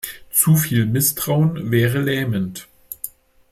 Zuviel Misstrauen wäre lähmend.